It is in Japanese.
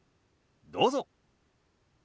どうぞ。